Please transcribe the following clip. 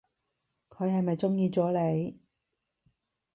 佢係咪中意咗你？